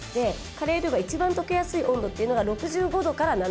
「カレールーが一番溶けやすい温度っていうのが６５度から７５度」